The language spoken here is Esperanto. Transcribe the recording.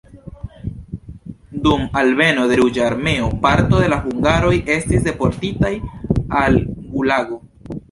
Dum alveno de Ruĝa Armeo parto de la hungaroj estis deportitaj al gulago.